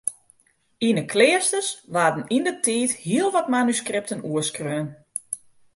Yn 'e kleasters waarden yndertiid hiel wat manuskripten oerskreaun.